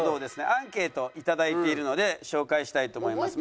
アンケート頂いているので紹介したいと思います。